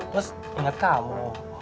terus inget kamu